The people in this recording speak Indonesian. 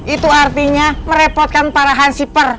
itu artinya merepotkan para hansiper